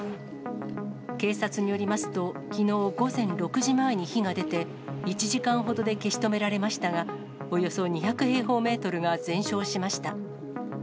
警察によりますと、きのう午前６時前に火が出て、１時間ほどで消し止められましたが、およそ２００平方メートルが全焼しました。